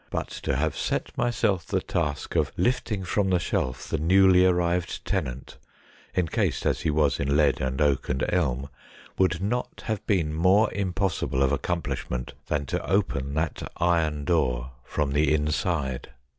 But to have set myself the task of lifting from the shelf the newly arrived tenant, encased as he was in lead and oak and elm, would not have been more impossible of accomplishment than to open that iron door from the inside.